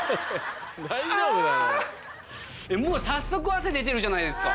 もう早速汗出てるじゃないですか。